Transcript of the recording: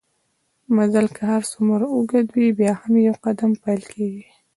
مزل که هرڅومره اوږده وي بیا هم په يو قدم پېل کېږي